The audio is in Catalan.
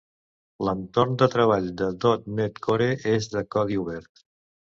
L'entorn de treball de dot net core és de codi obert.